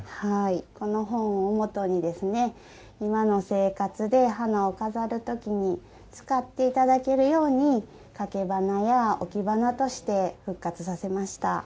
この本をもとに今の生活で花を飾る時に使っていただけるように掛け花や置き花として復活させました。